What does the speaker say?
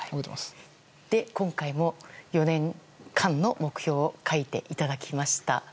今回も４年間の目標を書いていただきました。